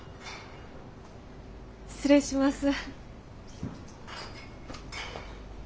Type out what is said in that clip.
失礼します。